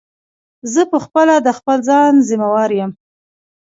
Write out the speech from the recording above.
زه په خپله د خپل ځان ضیموار یم.